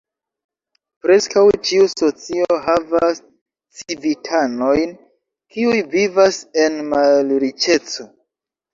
Preskaŭ ĉiu socio havas civitanojn kiuj vivas en malriĉeco.